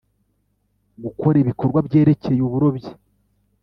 gukora ibikorwa byerekeye uburobyi